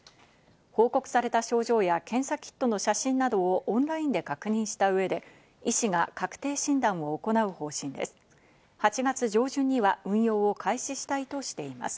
報告された症状や検査キットの写真などをオンラインで確認した上で、医師が確定診断を行う方針です。